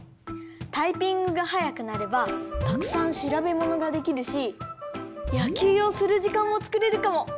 タイピングがはやくなればたくさんしらべものができるしやきゅうをするじかんもつくれるかも。